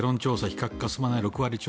非核化進まない６割超。